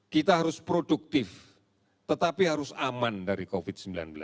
kita harus produktif tetapi harus aman dari covid sembilan belas